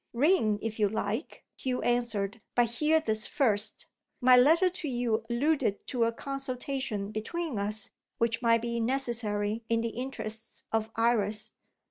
"Ring, if you like," Hugh answered; "but hear this first. My letter to you alluded to a consultation between us, which might be necessary in the interests of Iris.